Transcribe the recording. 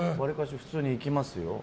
普通に行きますよ。